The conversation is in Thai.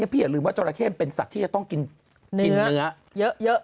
อย่าลืมว่าจราเข้มเป็นสัตว์ที่จะต้องกินเนื้อเยอะ